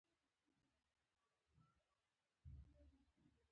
تل یې په ناکراره حالت کې ساتلې وه.